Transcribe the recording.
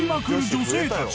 女性たち